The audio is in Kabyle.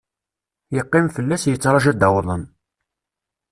Yeqqim fell-as yettraju ad d-awḍen.